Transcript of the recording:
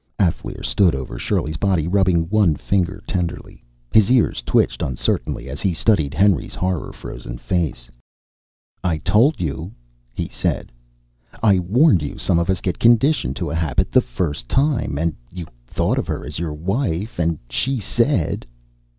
Alféar stood over Shirley's body, rubbing one finger tenderly. His ears twitched uncertainly as he studied Henry's horror frozen face. "I told you," he said. "I warned you some of us get conditioned to a habit the first time. And you thought of her as your wife and she said...."